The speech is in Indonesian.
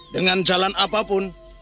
dengan jalan apapun